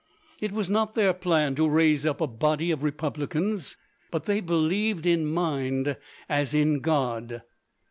It was not their plan to raise up a body of republicans. But they believed in mind as in God.